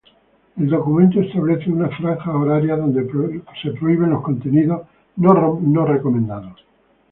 El documento establece unas franjas horarias donde prohibir contenidos no recomendados.